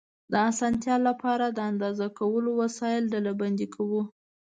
د اسانتیا له پاره، د اندازه کولو وسایل ډلبندي کوو.